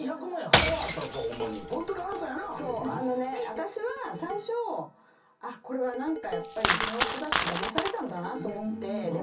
私は最初これはやっぱりうちの夫だしだまされたんだなと思って。